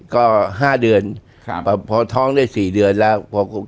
ก็๕เดือนพอท้องได้๔เดือนแล้ว